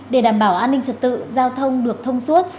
để đảm bảo an ninh trật tự giao thông được thông suốt